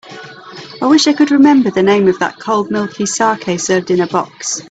I wish I could remember the name of the cold milky saké served in a box.